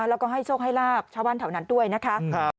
แล้วก็ให้โชคให้ลาบชาวบ้านแถวนั้นด้วยนะคะ